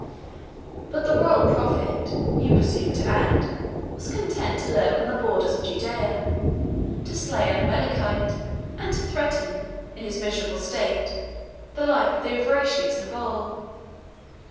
But the royal prophet (he presumed to add) was content to lurk on the borders of Judaea, to slay an Amalekite, and to threaten, in his miserable state, the life of the avaricious Nabal.